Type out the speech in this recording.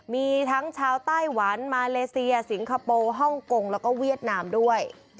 มีทั้งชาวไต้หวันมาเลเซียสิงคโปร์ฮ่องกงแล้วก็เวียดนามด้วย